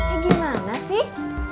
eh gimana sih